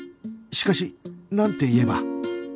しかしなんて言えば？